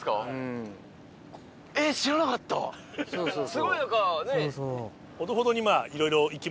すごい何かねっ。